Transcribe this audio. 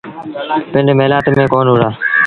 پنڊ مهلآت ميݩ ڪون وهُڙآ